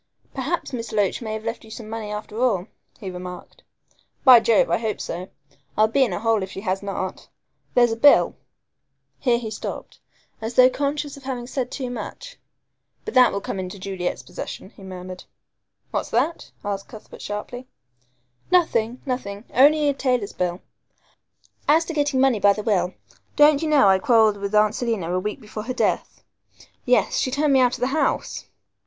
"Perhaps Miss Loach may have left you some money after all," he remarked. "By Jove, I hope so. I'll be in a hole if she has not. There's a bill " here he stopped, as though conscious of having said too much. "But that will come into Juliet's possession," he murmured. "What's that?" asked Cuthbert sharply. "Nothing nothing only a tailor's bill. As to getting money by the will, don't you know I quarrelled with Aunt Selina a week before her death. Yes, she turned me out of the house."